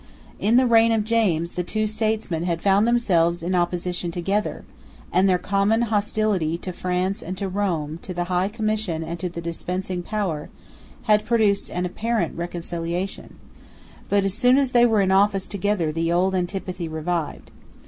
In the reign of James, the two statesmen had found themselves in opposition together; and their common hostility to France and to Rome, to the High Commission and to the dispensing power, had produced an apparent reconciliation; but as soon as they were in office together the old antipathy revived.